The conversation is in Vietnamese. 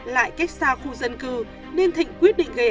lại cách xa khu dân cư nên thịnh quyết định gây án